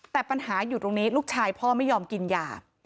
แต่ปัญหาอยู่ตรงนี้ลูกชายพ่อไม่ยอมกินยา